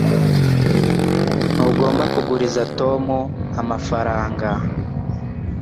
Ntugomba kuguriza Tom amafaranga